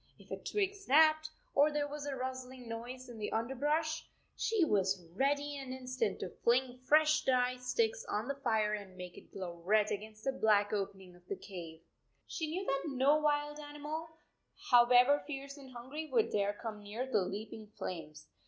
If a twig snapped, or there was a rustling noise in the under brush, she was ready in an instant to fling fresh dry sticks on the fire and make it glow red against the black opening of the cave. 7 She knew that no wild animal, however fierce and hungry, would dare come near the leaping flames.